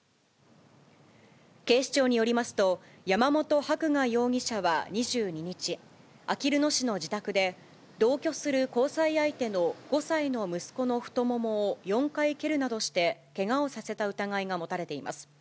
警視庁によりますと、山本伯画容疑者は２２日、あきる野市の自宅で、同居する交際相手の５歳の息子の太ももを４回蹴るなどして、けがをさせた疑いが持たれています。